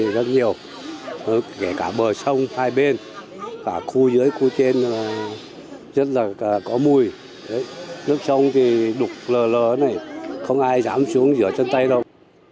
rất là có mùi nước sông thì đục lờ lờ này không ai dám xuống giữa chân tay đâu